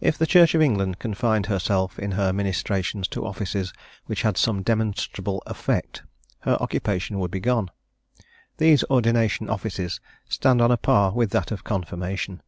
If the Church of England confined herself in her ministrations to offices which had some demonstrable effect, her occupation would be gone. These Ordination offices stand on a par with that of Confirmation.